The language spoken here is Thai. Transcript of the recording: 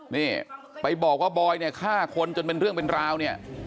นี่ไปบอกว่าบอยเนี่ยฆ่าคนจนเป็นเรื่องเป็นราวเนี่ย